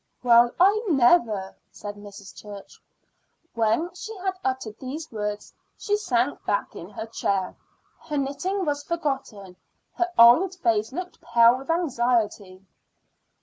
"Well, I never!" said Mrs. Church. When she had uttered these words she sank back in her chair. Her knitting was forgotten; her old face looked pale with anxiety.